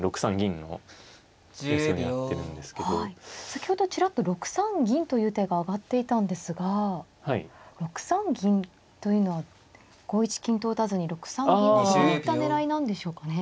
先ほどちらっと６三銀という手が挙がっていたんですが６三銀というのは５一金と打たずに６三銀どういった狙いなんでしょうかね。